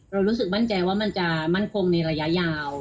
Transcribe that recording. รู้สึกมั่นใจว่ามันจะมั่นคงในระยะยาว